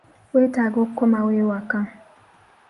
Weetaaga okukomawo ewaka.